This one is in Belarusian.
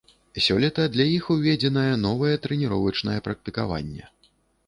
Сёлета для іх уведзенае новае трэніровачнае практыкаванне.